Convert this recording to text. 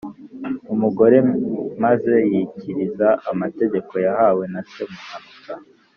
Umugore maze yikiriza amategeko yahawe na Semuhanuka.